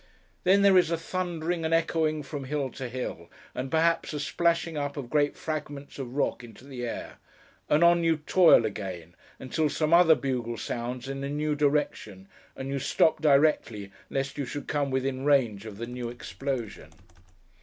Then, there is a thundering, and echoing from hill to hill, and perhaps a splashing up of great fragments of rock into the air; and on you toil again until some other bugle sounds, in a new direction, and you stop directly, lest you should come within the range of the new explosion.